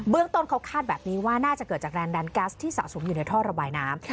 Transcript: เรื่องต้นเขาคาดแบบนี้ว่าน่าจะเกิดจากแรงดันแก๊สที่สะสมอยู่ในท่อระบายน้ำ